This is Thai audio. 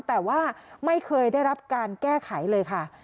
แต่ว่าไม่เคยได้รับการแก้ไขเลยค่ะ